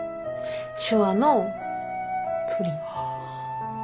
手話のプリン。